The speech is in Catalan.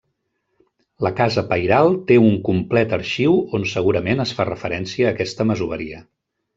La casa pairal té un complet arxiu on segurament es fa referència a aquesta masoveria.